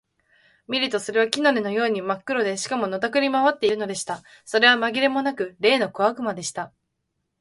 見るとそれは木の根のようにまっ黒で、しかも、のたくり廻っているのでした。それはまぎれもなく、例の小悪魔でした。